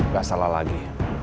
gak salah lagi